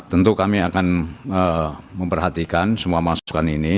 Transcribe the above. tentu kami akan memperhatikan semua masukan ini